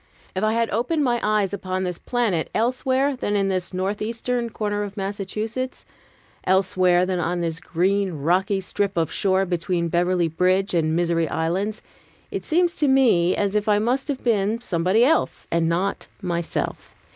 If I had opened my eyes upon this planet elsewhere than in this northeastern corner of Massachusetts, elsewhere than on this green, rocky strip of shore between Beverly Bridge and the Misery Islands, it seems to me as if I must have been somebody else, and not myself.